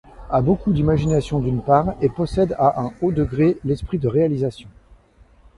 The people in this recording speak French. A beaucoup d'imagination d'une part, et possède à un haut degré l'esprit de réalisation.